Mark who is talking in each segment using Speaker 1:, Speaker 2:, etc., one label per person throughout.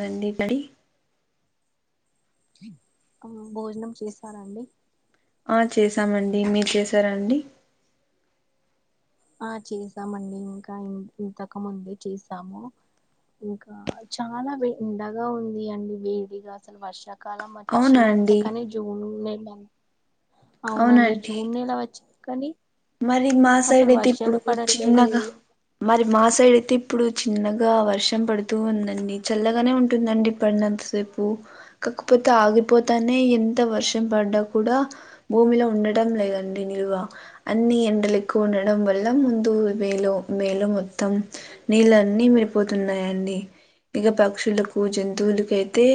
Speaker 1: రండి బడి
Speaker 2: ఆ భోజనం చేశానండి
Speaker 1: ఆ చేసామండి మీరు చేసారా అండి
Speaker 2: ఆ చేసామండి ఇంకా ఈ ఎంతకు ముందే చేసాము ఇంకా చాలా వే ఎండగా ఉంది అండి వేడిగా అసలు వర్ష కాల
Speaker 1: అవునా
Speaker 2: వచ్చినట్టే
Speaker 1: అండి
Speaker 2: కాని జూన్ అవునండి జూన్ నెలా వచ్చింది కానీ
Speaker 1: మరి మా సైడ్
Speaker 2: అసలు
Speaker 1: అయితే ఇప్పుడు
Speaker 2: వర్షాలు పడట్లేదు
Speaker 1: చిన్నగా
Speaker 2: ఏం
Speaker 1: మరి మా సైడ్ అయితే ఇప్పుడు చిన్నగా వర్షం పడుతూ ఉందండి చల్లగానే ఉంటుందండి పడినంత సేపు కాకపోతే ఆగిపోతానే ఎంత వర్షం పడ్డా కూడా భూమిలో ఉండట లేదండి నిలువా అన్ని ఎండలు ఎక్కువ ఉండడం వల్ల ముందు మే మేలో మొత్తం నీళ్ళన్నీ పోతున్నాయండి ఇక పక్షులకు జంతువులకు అయితే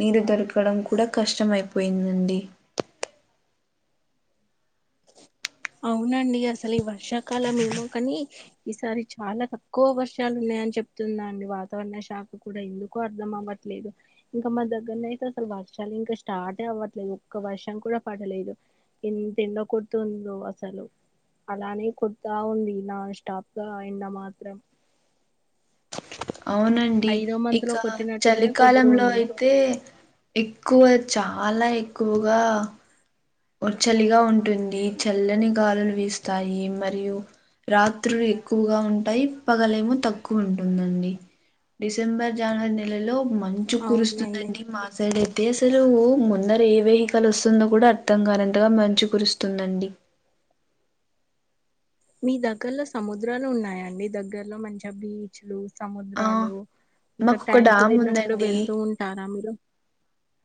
Speaker 1: నీరు దొరకడం కూడా కష్టం అయిపోయిందండి ఆ
Speaker 2: అవునండి అసలు ఈ వర్షాకాలం ఏమో కాని ఈసారి చాలా తక్కువ వర్షాలు ఉన్నాయి అని చెప్తుంది అండి వాతావరణ శాఖ కూడా ఎందుకు అర్థం అవ్వట్లేదు ఇంకా మా దగ్గర అయితే అసలు వర్షాలు ఇంకా స్టార్ట్ ఏ అవ్వట్లేదు ఒక్క వర్షం కూడా పడలేదు ఎంత ఎండో కొడుతుం దో అసలు అలానే కొడతా ఉంది నాన్ స్టాప్ గా ఎండ మాత్రం
Speaker 1: ఆ అవునండి
Speaker 2: ఐదో మంత్ లో
Speaker 1: ఇక
Speaker 2: కొట్టినట్టుగానే కొడుతూ
Speaker 1: చలికాలంలో
Speaker 2: ఉంది
Speaker 1: అయితే ఎక్కువ చాలా ఎక్కువగా ఉ చల్లీగా ఉంటుంది చల్లని గాలులు వీస్తాయి మరియు రాత్రులు ఎక్కువగా ఉంటాయి పగలేమో తక్కువ ఉంటుందండి డిసెంబర్ జనవరి నెలలో మంచు
Speaker 2: అవునండి
Speaker 1: కురుస్తుందండి మా సైడ్ అయితే అసలు ఓ ముందరా ఏ వెహికల్ వస్తుందో కూడా అర్ధ అర్ధం కానంతగా మంచు కురుస్తుందండి
Speaker 2: మీ దగ్గరలో సముద్రాలు ఉన్నాయండి దగ్గరలో మంచిగా బీచ్లు
Speaker 1: ఆ
Speaker 2: సముద్రాలు ఇంకా
Speaker 1: మాకు ఒక
Speaker 2: టైం
Speaker 1: డ్యామ్
Speaker 2: కుదిరినప్పుడు
Speaker 1: ఉందండి
Speaker 2: వెళ్తూ ఉంటారా మీరు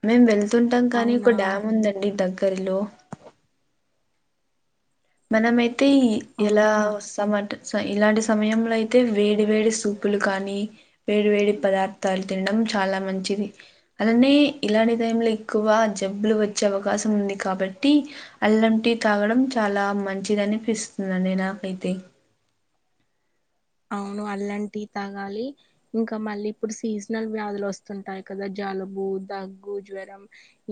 Speaker 1: మేము వెళ్తుంటాం కానీ
Speaker 2: అవునా
Speaker 1: ఒక డ్యామ్ ఉందండి దగ్గర్లో మన మయితే ఎలా
Speaker 2: అవునా
Speaker 1: వస్తామంటే సో ఇలాంటి సమయంలో అయితే వేడి వేడి సూపులు కానీ వేడి వేడి పదార్థాలు తినడం చాలా మంచిది అలానే ఇలాంటి టైంలో ఎక్కువ జబ్బులు వచ్చే అవకాశం ఉంది కా బట్టీ అల్లం టీ తాగడం చాలా మంచిది అనిపిస్తుంది అండి నాకైతే
Speaker 2: అవును అల్లం టి తాగాలి ఇంకా మళ్ళీ ఇప్పుడు సీజనల్ వ్యాధులు వస్తుంటాయి కదా జలుబు దగ్గు జ్వరం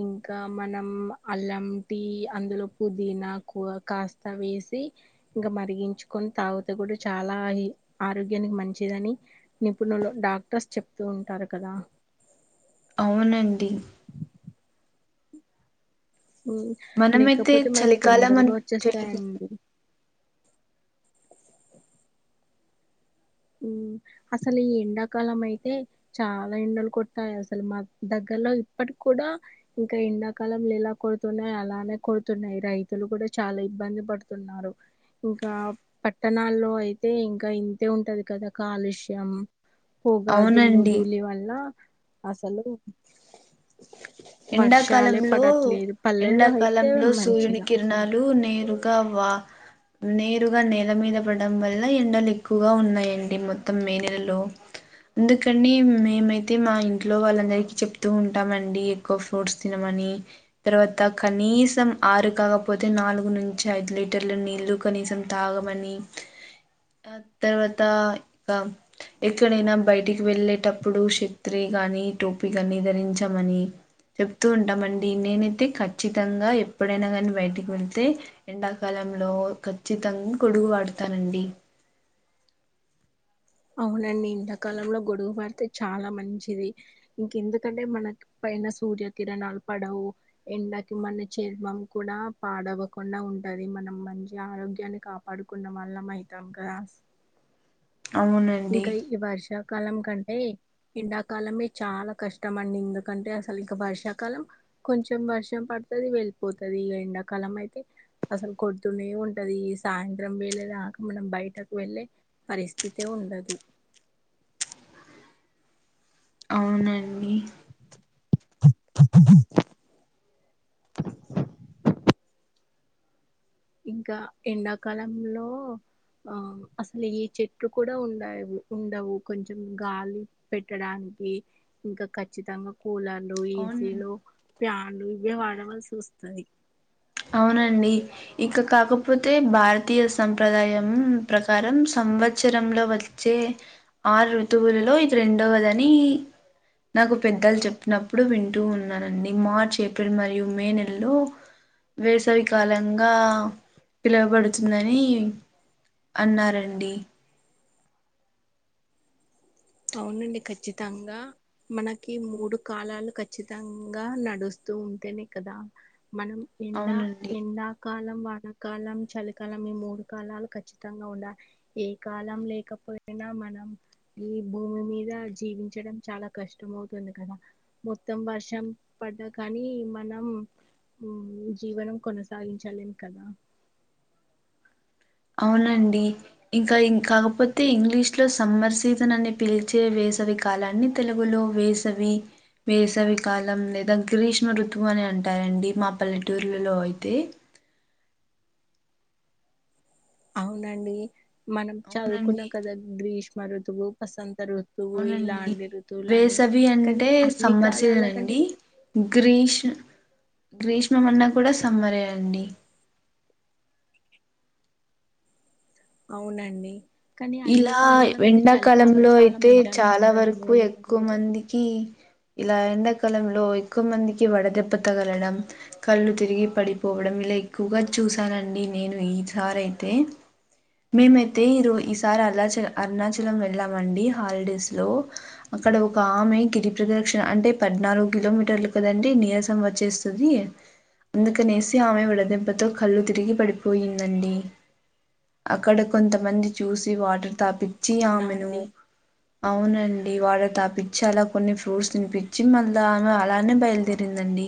Speaker 2: ఇంకా మనం అల్లం టి అందులో పోదినాకు కాస్త వేసి ఇంకా మరిగించుకొని తాగుతే కూడా చాలా ఆరోగ్యానికి మంచిదని నిపుణులు డాక్టర్స్ చెప్తూ ఉంటారు కదా
Speaker 1: అవునండి మనమైతే
Speaker 2: లేకపోతే మనకు
Speaker 1: చలికాలం
Speaker 2: తొందరగా
Speaker 1: అని చలి
Speaker 2: వచ్చేస్తాయండి ఉమ్ అసలు ఈ ఎండాకాలం అయితే చాలా ఎండలు కొట్టాయి అసలు మా దగ్గర లో ఇప్పటికి కూడా ఇంకా ఎండాకాలంలో ఎలా కొడుతున్నాయే అలానే కొడుతున్నాయి రైతులు కూడా చాలా ఇబ్బంది పడుతున్నారు ఇంకా పట్టణాల్లో అయితే ఇంకా ఇంతే ఉంటది కదా కాలుష్యం పొగా దుమ్ము
Speaker 1: అవునండి
Speaker 2: దూలి వల్ల అసలు
Speaker 1: ఆ
Speaker 2: వర్షాలే
Speaker 1: ఎండాకాలంలో
Speaker 2: పడట్లేదు పల్లెల్లో అయితే
Speaker 1: ఎండాకాలంలో సూర్యుని
Speaker 2: మంచిగా
Speaker 1: కిరణాలు నేరుగా వా నేరుగా నేల మీద పడడం వల్ల ఎండలు ఎక్కువగా ఉన్నాయండి మొత్తం మే నెలలో ఎందుకండి మేమైతే మా ఇంట్లో వాళ్ళందరికి చెప్తూ ఉంటాము అండి ఎక్కువ ఫ్రూట్స్ తినమని తర్వాత కనీసం ఆరు కాకపోతే నాలుగు నుంచి ఐదు లీట టర్ల నీల్లు కనీసం తాగమని ఆ తర్వాత ఇకా ఎక్కడైనా బయటికి వెళ్ళేటప్పుడు షత్రి గానీ టోపీగాని ధరించమని చెప్తూ ఉంటామండి నేనైతే ఖచ్చితంగా ఎప్పుడైనా కానీ బయటికి వెళ్తే ఎండాకాల లో ఖచ్చితంగా గొడుగు వాడతానండి
Speaker 2: అవులేనండి ఇంతకాలంలో గొడుగు పడితే చాలా మంచిది ఇంకెందుకంటే మనకి పైన సూర్యకిరణాలు పడవు ఎండకి మన చర్మం కూడా పాడవకుండా ఉంట అది మనం మంచి ఆరోగ్యాన్ని కాపాడుకున్న వాళ్లం అవుతాం కదా
Speaker 1: [inaudible] అవునండి
Speaker 2: ఇంకా ఈ వర్ష కాలం కంటే ఎండాకాలమే చాలా కష్టం అండి ఎందుకంటే అసలు ఇంక వర్షాకాలం కొంచెం వర్షం పడుతది వెళ్ళిపోతది ఇగ ఎండాకాలం అయితే అసలు కొడుతూనే ఉంటది ఈ సాయంత్రం వేళ్ళేదాక మనం బయటకు వెళ్లే పరిస్థితి తే ఉండదు
Speaker 1: అవునండి
Speaker 2: [inaudible] ఇంకా ఎండాకాలంలో ఆ అసలు ఈ చెట్టు కూడా ఉండ ఉండవు కొంచెం గాలి పెట్టడానికి వి ఇంకా ఖచ్చితంగా కూలర్లు
Speaker 1: అవును
Speaker 2: ఏసీలు ఫ్యాన్లు ఇవే వాడవలసి వస్తది
Speaker 1: అవునండి ఇక కాకపోతే భారతీయ సంప్రదాయం ప్రకారం స సంవత్సరంలో వచ్చే ఆరు ఋతువులలో ఇది రెండవదని నాకు పెద్దలు చెప్పినప్పుడు వింటూ ఉన్నానండి మార్చ్ ఏప్రిల్ మరియు మే నెలలో వేసవి కాలంగా పిలువబడుతుందని అన్నారండి
Speaker 2: అవునండి ఖచ్చితంగా మనకి మూడు కాలాలు ఖచ్చితంగా నడుస్తూ ఉంటేనే కదా మనం ఎండా
Speaker 1: అవునండి
Speaker 2: ఎండాకాలం వానాకాలం చలికాలం ఈ మూడు కాలాలు ఖచ్చితంగా ఉండ ఏ కాలం లేకపోయినా న్న మన ఈ భూమి మీద జీవించడం చాలా కష్టం అవుతుంది కదా మొత్తం వర్షం పడ్డ కా కానీ మనం జీవనం కొనసాగించలేం కదా
Speaker 1: అవు అవునండి ఇంక ఇంక కాపోతే ఇంగ్లీష్ లో సమ్మర్ సిజను అని పిలిచే వే వేసవి కాలాన్ని తెలుగులో వేసవి వేసవికాలం లేదా గ్రీష్మ ఋతువు అని అంటారండి మా పల్లెటూర్లలో అయితే [inaudible]
Speaker 2: అవునండి మనం
Speaker 1: అవునండి
Speaker 2: చదువుకున్నాం కదా గ్రీష్మ ఋతువు వసంత ఋతువు
Speaker 1: అవునండి
Speaker 2: ఇలాంటి ఋతువులు అని
Speaker 1: వేసవి
Speaker 2: కానీ
Speaker 1: అంటే
Speaker 2: అన్ని
Speaker 1: సమ్మర్
Speaker 2: కాలాల
Speaker 1: సీజన్
Speaker 2: కంటే
Speaker 1: అండి గ్రీష్ గ్రీష్మం అన్నా కూడా సమ్మరే అండి
Speaker 2: అవునండి కానీ అన్ని
Speaker 1: ఇలా
Speaker 2: కాలాల కంటే చలికాలం
Speaker 1: ఎండాకాలంలో
Speaker 2: చాలా
Speaker 1: అయితే
Speaker 2: మంచిగా
Speaker 1: చాలా
Speaker 2: అనిపిస్తదండి
Speaker 1: వరకు ఎక్కువ
Speaker 2: ఎందుకంటే
Speaker 1: మందికి ఇలా ఎండాకాలంలో ఎక్కువ మందికి వడదెబ్బతగలడం కళ్ళు తిరిగి పడిపోవడం లైక్ ఎక్కువగా చూసానండి నేను ఈ సారి అయితే మేమైతే ఈరో సారి అరుణాచల అరుణాచలం వెళ్ళామండి హాలిడేస్ లో అక్కడ ఒక ఆమె గిరిప్రధర్ క్షన అంటే పద్నాలుగు కిలోమీటర్లు కదండి నీరసం వచ్చేస్తది అందుకనేేసి ఆమె వడ దెబ్బతో కళ్ళు తిరిగి పడిపోయిందండి అక్కడ కొంతమంది చూసి వాటర్ తాపిచ్చి
Speaker 2: అవునా
Speaker 1: ఆమెను
Speaker 2: అండి
Speaker 1: అవునండి వాడర్ తాపిచ్చి అలా కొన్ని ఫ్రూట్స్ తినిపిచ్చి మళ్ళ ఆమె అలానే బయలుదేరిందండి డి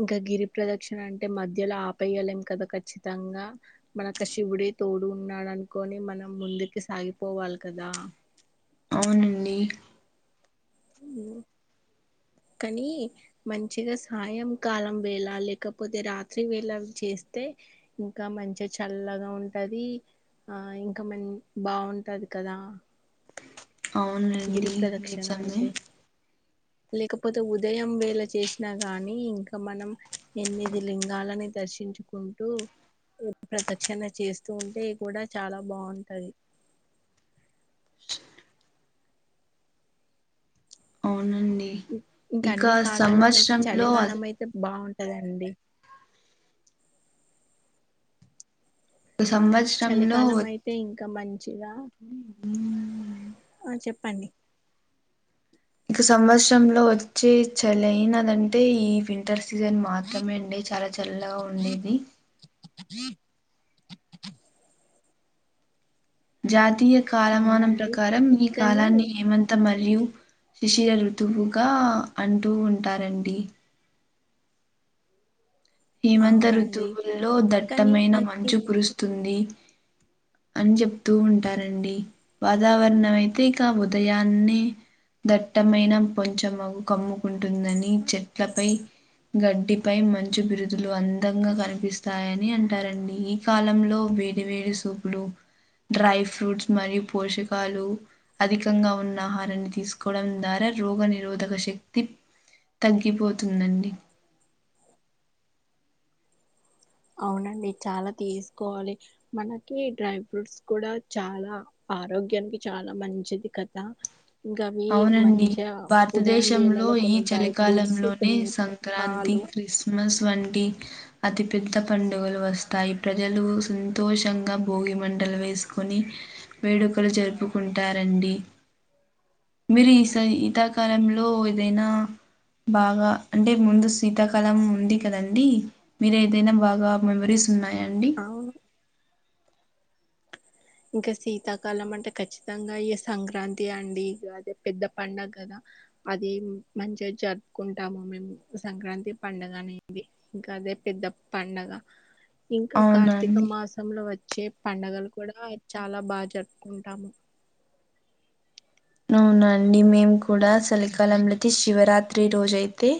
Speaker 2: ఇంకా గిరి ప్రదక్షిణ అంటే మధ్యలో ఆపేయ్యలేం కదా ఖచ్చితంగా మనక శివుడి తోడు ఉన్నాడు అనుకోని మనం ముందుకి సాగిపోవాలి కదా
Speaker 1: అవునండి [inaudible]
Speaker 2: కానీ మంచిగ సాయంకాలం వేళ, లేకపోతే రాత్రి వేళ చేస్తే ఇంకా మంచిగా చల్లగా ఉంటది ఆ ఇంకా మన్ బాగుంటది కదా
Speaker 1: అవునండి
Speaker 2: గిరిప్రదక్షిణ
Speaker 1: నిజమే
Speaker 2: అయితే లేకపోతే ఉదయం వేళ చేసినా గానీ, ఇంక మనం ఎనిమిది లింగాలని దర్శి శించుకుంటూ ఓ ప్రదక్షణ చేస్తూ ఉంటే కూడా చాలా బాగుంటది
Speaker 1: అవునండి
Speaker 2: ఇంకా
Speaker 1: ఇక
Speaker 2: అన్ని కాలాల కంటే
Speaker 1: సంవత్సరంలో
Speaker 2: చలికాలం అయితే బా కదండి
Speaker 1: ఇక సంవత్సరంలో
Speaker 2: చలికాలం అయితే ఇంకా మంచిగా ఆ చెప్ పండి
Speaker 1: ఇక సంవత్సరంలో వచ్చే చలైనదంటే ఈ వింటర్ సీజన్ మాత్రమే అండి చాలా చల్లగా ఉండేది.
Speaker 2: అ
Speaker 1: జాతీయ కాలమానం
Speaker 2: అవునండి
Speaker 1: ప్రకారం ఈ
Speaker 2: కానీ
Speaker 1: కాలాన్ని హేమంత మ మరియు శిశిర ఋతువుగా అంటూ ఉంటారండి. హేమంత
Speaker 2: అవునండి
Speaker 1: ఋతువుల్లో
Speaker 2: కానీ
Speaker 1: దట్టమైన
Speaker 2: అన్ని
Speaker 1: మంచు కురుస్తుంది. అన్ చెప్తూ ఉంటారండి. వాతావరణం అయితే ఇక ఉదయాన్నే దట్టమైన కొంచం మగు కమ్ముకుంటుందని చెట్లపై గడ్డిపై మంచు బిరు జులు అందంగా కనిపిస్తాయని అంటారండి. ఈ కాలంలో వేడి వేడి సూపులు డ్రై ఫ్రూట్స్ మరియు పోషకాలు అధికంగా ఉన్న ఆహారాన్ని తీసుకోవడం ద్వారా రోగ నిరోధక శక్తి తగ్గిపోతుందండి.
Speaker 2: అవునండి చాలా తీసుకోవాలి, మనకి డ్రై ఫ్రూట్స్ కూడా చాలా ఆరోగ్యానికి చాలా మంచిది కదా ఇంకా అవి
Speaker 1: అవునండి
Speaker 2: మంచిగా ఉదయం
Speaker 1: భారతదేశంలో
Speaker 2: వేళలో
Speaker 1: ఈ
Speaker 2: కొన్ని డ్రై ఫ్రూట్స్
Speaker 1: చలికాలంలోనే
Speaker 2: కొన్ని
Speaker 1: సంక్రాంతి
Speaker 2: పాలు
Speaker 1: క్రిస్మస్ వంటి అతి పెద్ద పండుగలు వస్తాయి, ప్రజలు సంతోషంగా భోగి మ టలు వేసుకొని వేడుకలు జరుపుకుంటారండి. మీరు ఈ స ఈతాకాలంలో ఏదైనా బాగా అంటే ముందు శీతాకాలం ఉంది కదండి, మీరు ఏదైనా బాగా మెమరీస్ ఉన్నాయండి?
Speaker 2: అవును ఇంకా శీతాకాలం అంటే ఖచ్చితంగా ఇ సంక్రాంతి అండి ఇక అదే పెద్ద పండుగ కదా అది మంచిగా జరుపుకుంటాము మేం సంక్రాంతి పండగ అనేది ఇంకా అదే పెద్ద పండగ, ఇంకా
Speaker 1: అవునా
Speaker 2: కార్తీక
Speaker 1: అండి
Speaker 2: మాసంలో వచ్చే పండగలు కూడా చాల బా జరుపుకుంటాం.
Speaker 1: అవునండి మేం కూడా చలికాలంలోతే శివరా రాత్రి రోజయితే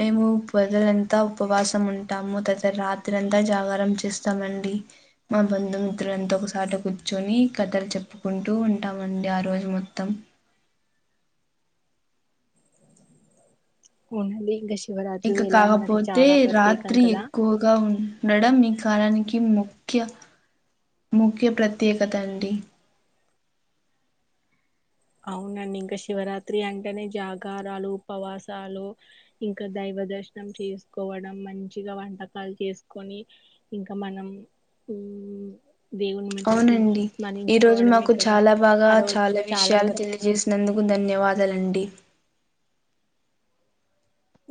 Speaker 1: మేము పగలంతా ఉపవాసం ఉంటాము తర్త రాత్రాంత జ జాకారం చేస్తామండి. మా బంధుమిత్రులంత ఒకసాట కూర్చొని కథలు చెప్పుకుంటు ఉంటామండి ఆ రోజు మొత్తం
Speaker 2: ఉనాది గష
Speaker 1: ఇక కాకపోతే రాత్రి
Speaker 2: కదా
Speaker 1: ఎక్కువగా ఉండడం ఈ కాలానికి ముముఖ్య ముఖ్య ప్రత్యేకత అండి
Speaker 2: అవునండి ఇంకా శివరాత్రి అంటేనే జాగారాలు ఉపవాసాలు ఇంకా దై ప్ర దర్శనం చేసుకోవడం మంచిగా వంటకాలు చేసుకొని ఇంకా మనం ఉ దేవుని మధ్య
Speaker 1: అవునండి ఈరోజు
Speaker 2: స్మరించుకోవడమే
Speaker 1: మాకు
Speaker 2: కదా
Speaker 1: చాలా బాగా
Speaker 2: ఆ రోజు చాలా
Speaker 1: విషయాలు
Speaker 2: ప్ర
Speaker 1: తెలియజేసినందుకు ధన్యవాదాలండి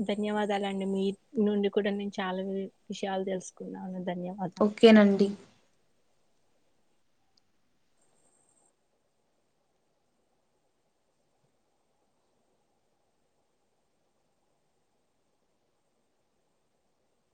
Speaker 2: ధన్యవాదాలండి మీ నుండి కూడా నేను చాలా విషయాలు తెలుసుకున్నాను ధన్యవాదాలు
Speaker 1: ఓకేనండి